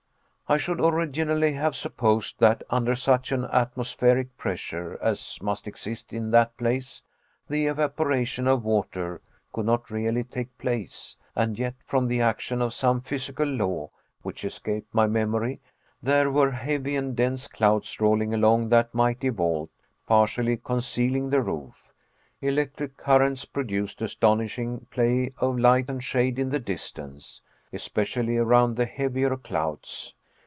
I should originally have supposed that, under such an atmospheric pressure as must exist in that place, the evaporation of water could not really take place, and yet from the action of some physical law, which escaped my memory, there were heavy and dense clouds rolling along that mighty vault, partially concealing the roof. Electric currents produced astonishing play of light and shade in the distance, especially around the heavier clouds.